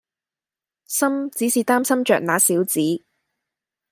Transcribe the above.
心只是擔心著那小子